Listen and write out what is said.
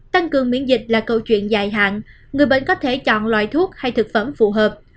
tăng cường miễn dịch là câu chuyện dài hạn người bệnh có thể chọn loại thuốc hay thực phẩm phù hợp